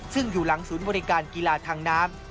ซึ่งอยู่หลังศูนย์บริการกีฬาทางน้ำ